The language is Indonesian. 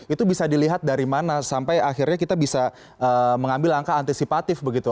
itu bisa dilihat dari mana sampai akhirnya kita bisa mengambil langkah antisipatif begitu